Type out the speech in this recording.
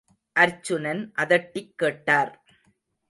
அர்ச்சுனன், அதட்டிக் கேட்டார்.